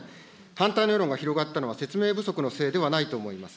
簡単に世論が広がったのは、説明不足のせいではないと思います。